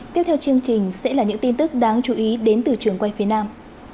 tiếp theo chương trình sẽ là những tin tức đáng chú ý đến từ trường quay phía nam